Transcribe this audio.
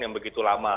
yang begitu lama